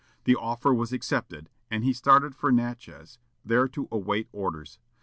The offer was accepted, and he started for Natchez, there to await orders.